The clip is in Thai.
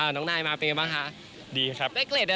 น้องนายมาเป็นยังไงบ้างค่ะ